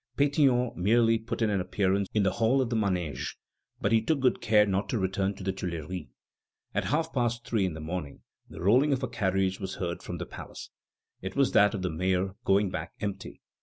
Pétion merely put in an appearance in the Hall of the Manège. But he took good care not to return to the Tuileries. At half past three in the morning the rolling of a carriage was heard from the palace. It was that of the mayor, going back empty.